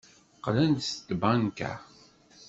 Qqlen-d seg tbanka.